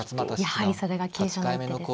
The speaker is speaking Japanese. やはりそれが急所の一手ですか。